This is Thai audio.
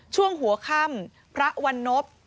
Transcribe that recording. ช่วงหัวค่ำพระวันนพ